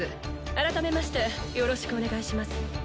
改めましてよろしくお願いします。